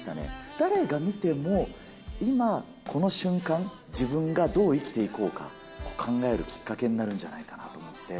誰が見ても、今この瞬間、自分がどう生きていこうか、考えるきっかけになるんじゃないかなと思って。